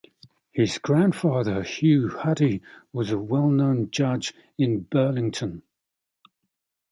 His grandfather, Hugh Huddy, was a well-known judge in Burlington.